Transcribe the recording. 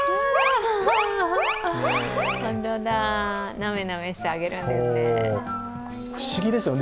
なめなめしてあげるんですね。